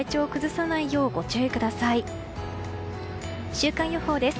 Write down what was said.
週間予報です。